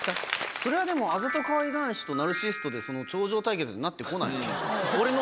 それはでもあざとかわいい男子とナルシストで頂上対決になってこないの？